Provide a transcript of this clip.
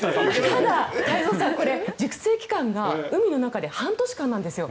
ただ、太蔵さんこれ、熟成期間が海の中で半年間なんですよ。